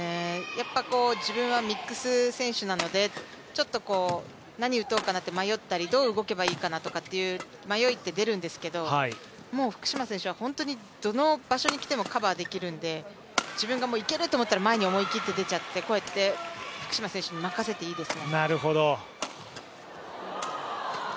自分はミックス選手なので、ちょっと何打とうかなと迷ったりどう動けばいいかなという迷いって出るんですけど、もう福島選手は本当にどの場所に来てもカバーできるので自分がいけると思ったら前に思いっきり出ちゃってこうやって福島選手に任せていいです。